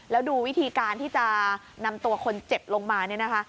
แล้วดูวิธีการที่จะนำตัวคนเจ็บลงมาเนี่ยนะคะ